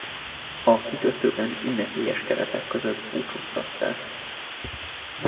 A kikötőben ünnepélyes keretek között búcsúztatták.